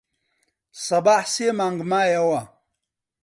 سەباح سێ مانگ مایەوە.